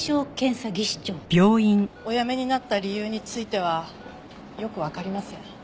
お辞めになった理由についてはよくわかりません。